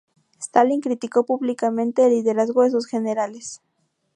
Stalin criticó públicamente el liderazgo de sus generales.